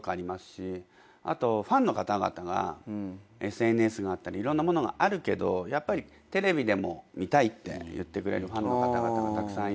あとファンの方々がＳＮＳがあったりいろんなものがあるけどやっぱりテレビでも見たいって言ってくれるファンの方々がたくさんいるんで。